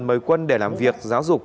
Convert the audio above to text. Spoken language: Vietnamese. mời quân để làm việc giáo dục